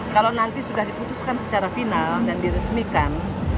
kalau nanti sudah diputuskan secara final dan diresmikan